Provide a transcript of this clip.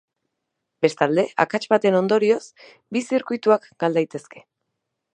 Bestalde, akats baten ondorioz bi zirkuituak gal daitezke.